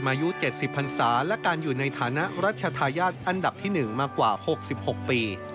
อายุ๗๐พันศาและการอยู่ในฐานะรัชธาญาติอันดับที่๑มากว่า๖๖ปี